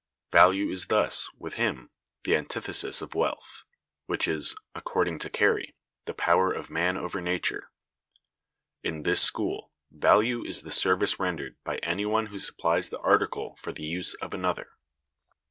Value is thus, with him, the antithesis of wealth, which is (according to Carey) the power of man over nature. In this school, value is the service rendered by any one who supplies the article for the use of another.